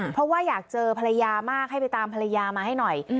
เพราะว่าอยากเจอภรรยามากให้ไปตามภรรยามาให้หน่อย